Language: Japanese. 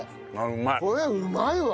これうまいわ！